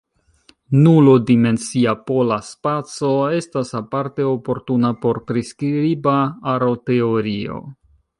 Nulo-dimensia pola spaco estas aparte oportuna por priskriba aroteorio.